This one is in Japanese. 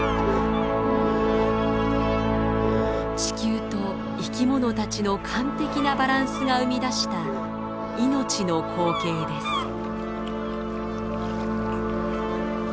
地球と生き物たちの完璧なバランスが生み出した命の光景です。